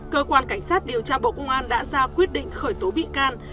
cơ quan cảnh sát điều tra bộ công an đã ra quyết định khởi tố bị can